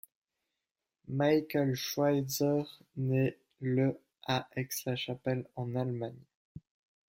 Michael Schweizer naît le à Aix-la-Chapelle en Allemagne.